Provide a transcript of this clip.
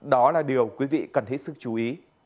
đó là điều quý vị cần hết sức chú ý